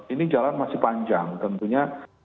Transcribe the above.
ini jalan masih panjang tentunya